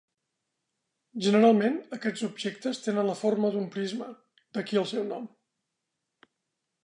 Generalment, aquests objectes tenen la forma d'un prisma, d'aquí el seu nom.